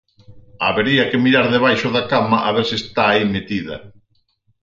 Habería que mirar debaixo da cama a ver se está aí metida